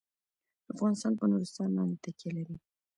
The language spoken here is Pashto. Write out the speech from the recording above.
افغانستان په نورستان باندې تکیه لري.